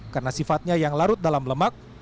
karena sifatnya yang larut dalam lemak